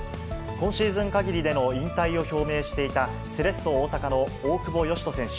今シーズンかぎりでの引退を表明していた、セレッソ大阪の大久保嘉人選手。